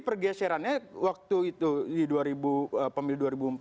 pergeserannya waktu itu di pemilih dua ribu empat